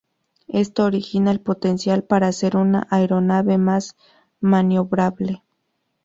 Esto origina el potencial para hacer una aeronave más maniobrable.